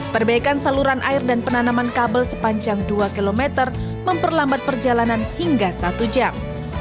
perbaikan saluran air dan penanaman kabel sepanjang dua km memperlambat perjalanan hingga satu jam